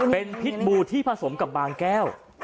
เป็นพิษบูที่ผสมกับบางแก้ว